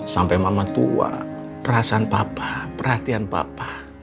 sampai mama tua perasaan papa perhatian bapak